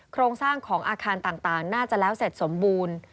โครงสร้างของอาคารต่างน่าจะแล้วเสร็จสมบูรณ์